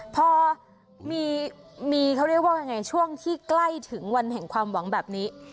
พอมีเขาเรียกว่ายังไงช่วงที่ใกล้ถึงวันแห่งความหวังแบบนี้